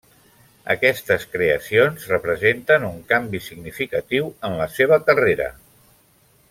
Aquestes creacions representen un canvi significatiu en la seva carrera.